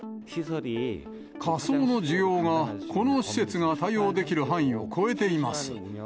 火葬の需要が、この施設が対応できる範囲を超えています。